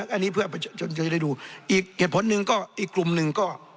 อันนี้เพื่อประชาชนจะได้ดูอีกเหตุผลหนึ่งก็อีกกลุ่มหนึ่งก็